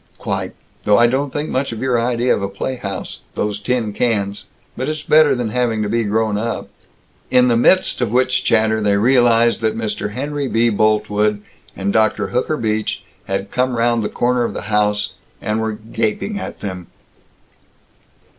"Quite! Though I don't think much of your idea of a playhouse those tin cans. But it's better than having to be grown up." In the midst of which chatter they realized that Mr. Henry B. Boltwood and Dr. Hooker Beach had come round the corner of the house, and were gaping at them.